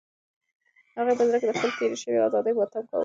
هغې په زړه کې د خپلې تېرې شوې ازادۍ ماتم کاوه.